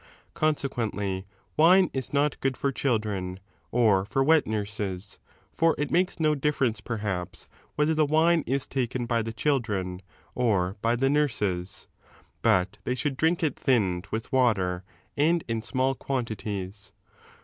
Consequently, wine is not good for children or for wet nurses (for it makes no difference, perhaps, whether the wine is taken by the children or by the nurses), but they should drink it thinned with water and in small quanti ties.